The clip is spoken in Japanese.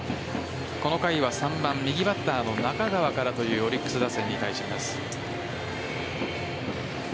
この回は３番・右バッターの中川からというオリックス打線に対します。